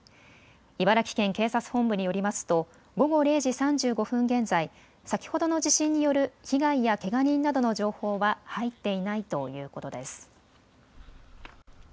茨城県警察本部によりますと午後０時３５分現在、先ほどの地震による被害やけが人などの情報は入っていないということです。